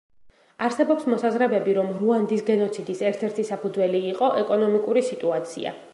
არსებობს მოსაზრებები რომ რუანდის გენოციდის ერთ ერთი საფუძველი იყო ეკონომიკური სიტუაცია.